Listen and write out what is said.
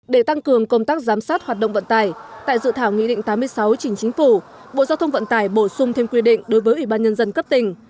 để tăng cường công tác giám sát hoạt động vận tải tại dự thảo nghị định tám mươi sáu trình chính phủ bộ giao thông vận tải bổ sung thêm quy định đối với ủy ban nhân dân cấp tỉnh